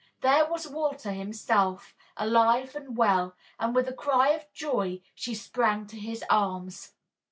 There was Walter himself, alive and well, and with a cry of joy she sprang to his arms.